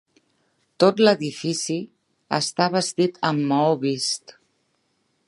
Tot l'edifici està vestit amb maó vist.